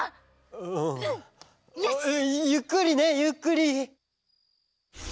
えゆっくりねゆっくり。